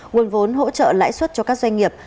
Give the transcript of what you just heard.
nguồn vốn hỗ trợ lãi suất cho các doanh nghiệp